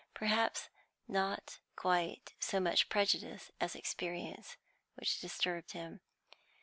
Perhaps not quite so much prejudice as experience which disturbed him.